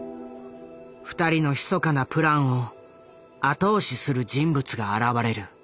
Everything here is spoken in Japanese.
２人のひそかなプランを後押しする人物が現れる。